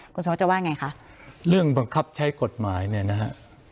คุณสมศจะว่าไงคะเรื่องบังคับใช้กฎหมายเนี่ยนะฮะ